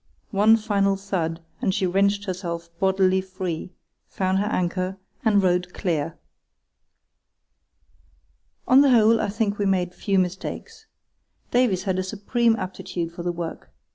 One final thud and she wrenched herself bodily free, found her anchor, and rode clear. On the whole I think we made few mistakes. Davies had a supreme aptitude for the work.